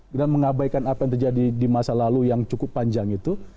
dan mengabaikan apa yang terjadi di masa lalu yang cukup panjang itu